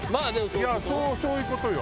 いやそういう事よ。